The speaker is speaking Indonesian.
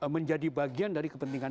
menjadi bagian dari kepentingan